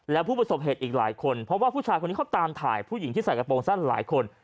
และผู้ประสบเหตุอีกหลายคนเพราะว่าผู้ชายคนนี้เขาตามถ่ายผู้หญิงที่ใส่กระโปรงสั้นหลายคน